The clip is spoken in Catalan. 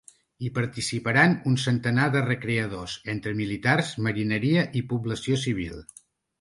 Hi participaran un centenar de recreadors, entre militars, marineria i població civil.